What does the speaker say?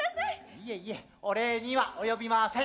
いえいえお礼にはおよびません。